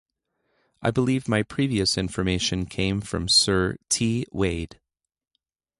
I believe my previous information came from Sir T. Wade.